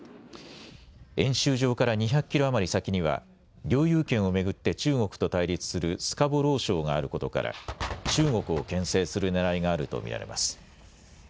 演習場から２００キロ余り先には領有権を巡って中国と対立するスカボロー礁があることから中国をけん制するねらいがあると見られます。